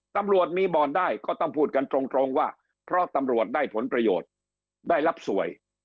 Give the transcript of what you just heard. ตำรวจมีบ่อนได้ก็ต้องพูดกันตรงว่าเพราะตำรวจได้ผลประโยชน์ได้รับสวย